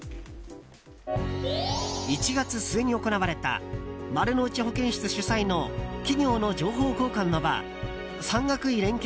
１月末に行われたまるのうち保健室主催の企業の情報交換の場産業医連携